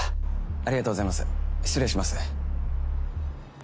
ありがとうございます失礼します。